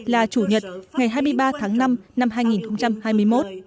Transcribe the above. là chủ nhật ngày hai mươi ba tháng năm năm hai nghìn hai mươi một